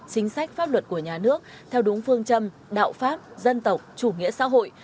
chính sách pháp luật của nhà nước theo đúng phương châm đạo pháp dân tộc chủ nghĩa xã hội